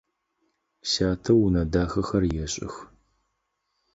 Сятэ унэ дахэхэр ешӏых.